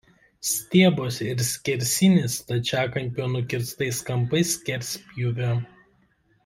Stiebas ir skersinis stačiakampio nukirstais kampais skerspjūvio.